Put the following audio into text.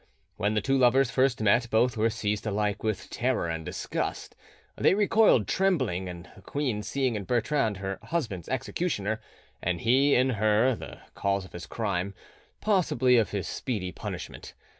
When the two lovers first met, both were seized alike with terror and disgust; they recoiled trembling, the queen seeing in Bertrand her husband's executioner, and he in her the cause of his crime, possibly of his speedy punishment.